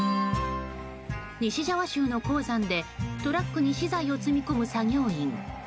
西ジャワ州の鉱山で、トラックに資材を積み込む作業員。